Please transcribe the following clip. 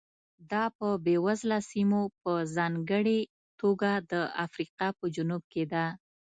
دا په بېوزله سیمو په ځانګړې توګه د افریقا په جنوب کې ده.